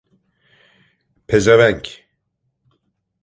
Pezevenk!